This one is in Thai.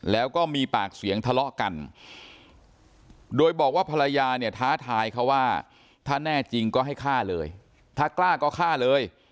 แล้วก็มีปากเสียงทะเลาะกันโดยบอกว่าภรรยาเนี่ยท้าทายเขาว่าถ้าแน่จริงก็ให้ฆ่าเลยถ้ากล้าก็ฆ่าเลย